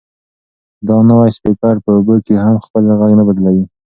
دا نوی سپیکر په اوبو کې هم خپل غږ نه بدلوي.